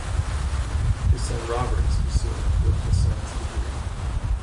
His son, Robert, is pursuing a political science degree.